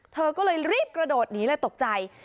เธอก็เลยรีบกระโดดหนีเลยตกใจ